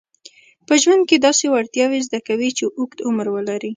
په ژوند کې داسې وړتیاوې زده کوي چې اوږد عمر ولري.